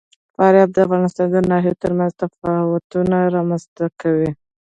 فاریاب د افغانستان د ناحیو ترمنځ تفاوتونه رامنځ ته کوي.